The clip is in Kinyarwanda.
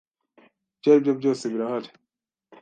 Ibyo aribyo byose birahari.